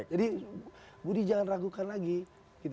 jadi budi jangan ragukan lagi